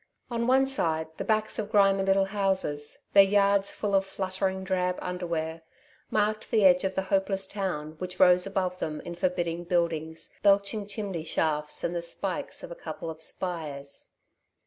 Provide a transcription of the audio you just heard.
On one side the backs of grimy little houses, their yards full of fluttering drab underwear, marked the edge of the hopeless town which rose above them in forbidding buildings, belching chimney shafts and the spikes of a couple of spires.